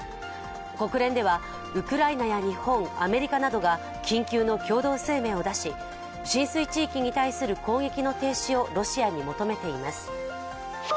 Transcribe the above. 国連ではウクライナや日本、アメリカなどが緊急の共同声明を出し浸水地域に対する攻撃の停止をロシアに求めています。